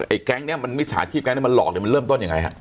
แก๊งนี้มันมิจฉาชีพแก๊งนี้มันหลอกเนี่ยมันเริ่มต้นยังไงฮะ